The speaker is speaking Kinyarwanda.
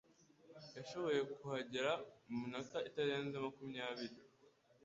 yashoboye kuhagera mu minota itarenze makumyabiri.